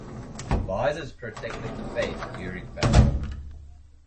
Visors protected the face during battle.